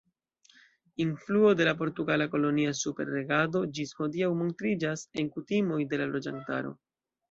Influo de la portugala kolonia superregado ĝis hodiaŭ montriĝas en kutimoj de la loĝantaro.